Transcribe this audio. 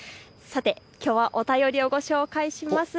さて、きょうはお便りをご紹介します。